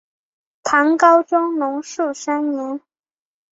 唐高宗龙朔三年。